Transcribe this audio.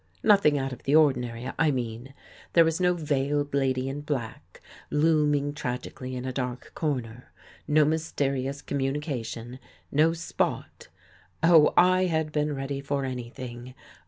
Nothing out of the ordinary, I mean. There was no veiled lady in black, looming tragic ally in a dark corner; no mysterious communication; no spot — oh, I had been ready for anything